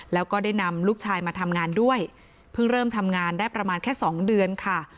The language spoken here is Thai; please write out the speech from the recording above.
แล้วก็ได้นำลูกชายมาทำงานด้วยเพิ่งเริ่มทำงานได้ประมาณแค่สองเดือนค่ะ